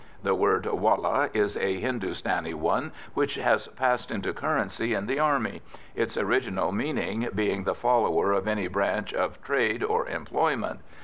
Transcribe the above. The word "wallah" is a Hindustani one which has passed into currency in the Army, its original meaning being the follower of any branch of trade or employment.